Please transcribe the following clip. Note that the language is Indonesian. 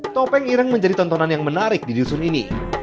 topeng ireng menjadi tontonan yang menarik di dusun ini